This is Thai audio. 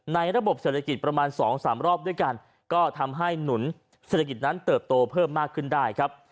ระบบเศรษฐกิจประมาณ๒๓รอบด้วยกันก็ทำให้หนุนเศรษฐกิจนั้นเติบโตเพิ่มมากขึ้นได้ครับ